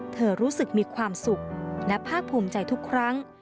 รู้สึกมีความสุขและภาคภูมิใจทุกครั้ง